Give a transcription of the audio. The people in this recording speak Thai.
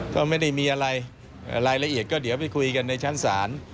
ก็ไม่ได้มีอะไรรายละเอียดก็เดี๋ยวไปคุยกันในชั้นศาล